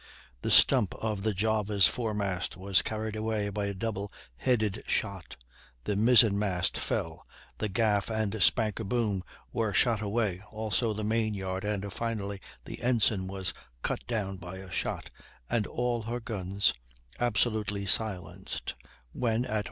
The stump of the Java's foremast was carried away by a double headed shot, the mizzen mast fell, the gaff and spanker boom were shot away, also the main yard, and finally the ensign was cut down by a shot, and all her guns absolutely silenced; when at 4.